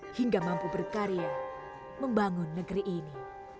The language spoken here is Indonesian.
hingga mampu berkarya membangun negeri ini